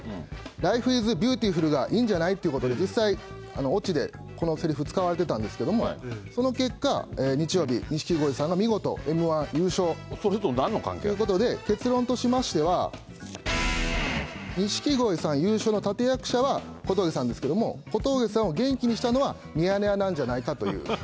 ライフ・イズ・ビューティフルがいいんじゃない？っていうことで、実際、オチでこのせりふ使われてたんですけれども、その結果、日曜日、そうすると、なんの関係が？ということで、結論としましては、錦鯉さん優勝の立役者は小峠さんですけれども、小峠さんを元気にしたのは、ミヤネ屋なんじゃないかという。